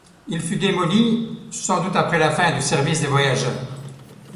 Il fut démoli, sans doute après la fin du service des voyageurs.